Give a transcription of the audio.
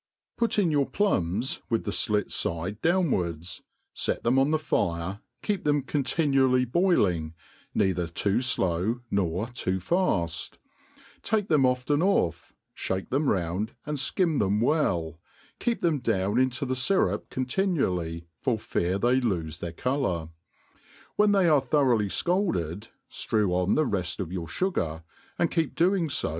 (rut in your plunis with the flit fide downwards, fet them on the fire, Jceep them cotitihually boil«, ing, neither too flow nof too faft ; take them often off, fliake them round, and flcim th^m w^lU ke^p them down into the fy« rup <^ntlnually, for fear tbty lofe their' colour; when th^y arU thoroughly fcalded, ftrcw oa the reft of your fugar, and keeji^ doing fo.